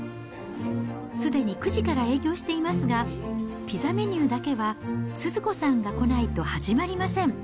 すでに９時から営業していますが、ピザメニューだけは、スズ子さんが来ないと始まりません。